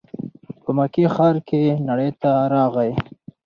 په مکې ښار کې نړۍ ته راغی.